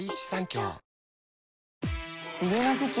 梅雨の時期